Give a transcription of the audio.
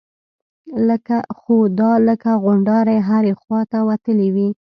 خو دا لکه غونډارې هرې خوا ته وتلي وي.